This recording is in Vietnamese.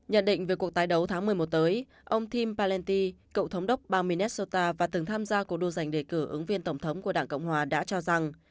nhận định về cuộc tái đấu tháng một mươi một tới ông tim palenty cựu thống đốc bang minetsota và từng tham gia cuộc đua giành đề cử ứng viên tổng thống của đảng cộng hòa đã cho rằng